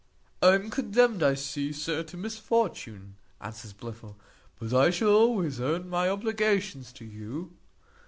"I am condemned, I see, sir, to misfortune," answered Blifil; "but I shall always own my obligations to you."